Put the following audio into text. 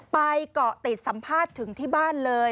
เกาะติดสัมภาษณ์ถึงที่บ้านเลย